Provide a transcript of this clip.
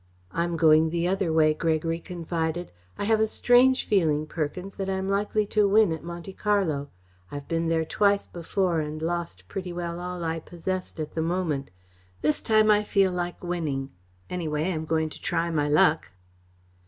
"I am going the other way," Gregory confided. "I have a strange feeling, Perkins, that I am likely to win at Monte Carlo. I have been there twice before and lost pretty well all I possessed at the moment. This time I feel like winning. Anyway, I am going to try my luck."